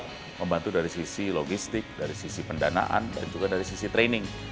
kita membantu dari sisi logistik dari sisi pendanaan dan juga dari sisi training